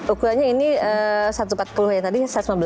ukurannya ini satu ratus empat puluh ya tadi satu ratus lima belas